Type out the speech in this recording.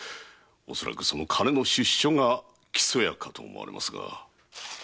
恐らくその金の出所が木曽屋かと思われますが。